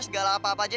segala apa apa saja